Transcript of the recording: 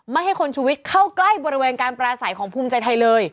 ไม่ให้คนชุวิตเข้าใกล้บริเวณการปราศัยของภูมิใจไทยเลย